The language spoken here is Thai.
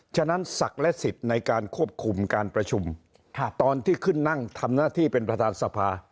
ฉะนั้นศักดิ์และสิทธิ์ในการควบคุมการประชุมตอนที่ขึ้นนั่งทำหน้าที่เป็นประธานสภา